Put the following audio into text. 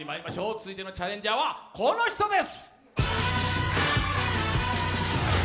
続いてのチャレンジャーはこの人です！